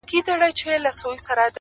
خپل مخ واړوې بل خواتــــه!